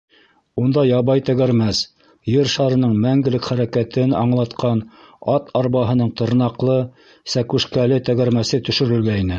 Унда ябай тәгәрмәс, Ер шарының мәңгелек хәрәкәтен аңлатҡан ат арбаһының тырнаҡлы, сәкүшкәле тәгәрмәсе төшөрөлгәйне.